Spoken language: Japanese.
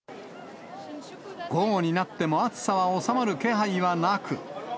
午後になっても暑さは収まる気配はなく。